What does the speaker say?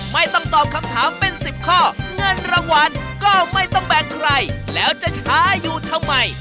ไม่ต้องตอบคำถามเป็น๑๐ข้อเงินรางวัลก็ไม่ต้องแบ่งใครแล้วจะช้าอยู่ทำไม